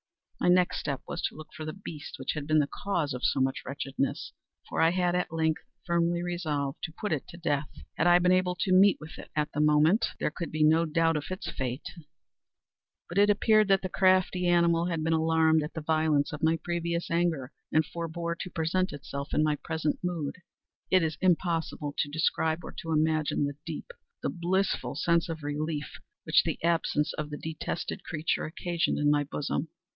My next step was to look for the beast which had been the cause of so much wretchedness; for I had, at length, firmly resolved to put it to death. Had I been able to meet with it, at the moment, there could have been no doubt of its fate; but it appeared that the crafty animal had been alarmed at the violence of my previous anger, and forebore to present itself in my present mood. It is impossible to describe, or to imagine, the deep, the blissful sense of relief which the absence of the detested creature occasioned in my bosom.